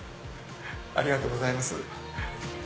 ありがとうございます。